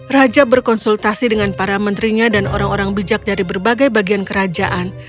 raja berkonsultasi dengan para menterinya dan orang orang bijak dari berbagai bagian kerajaan